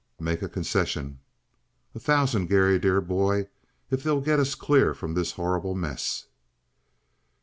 "Make a concession." "A thousand, Garry, dear boy, if they'll get us clear from this horrible mess."